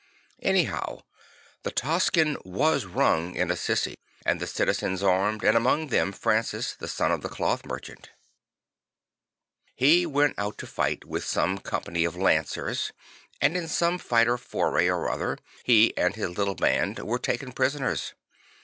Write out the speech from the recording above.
Anyhow, the tocsin was rung in Assisi and the citizens armed, and among them Francis the son of the cloth merchant, He went out to fight D 50 St. Fra1lcis of Assisi with some company of lancers and in some fight or foray or other he and his little band were taken prisoners.